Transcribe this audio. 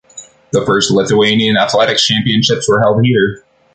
The first Lithuanian athletics championships were held here.